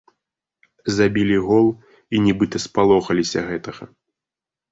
Забілі гол, і нібыта спалохаліся гэтага.